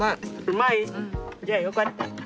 うまい？じゃあよかった。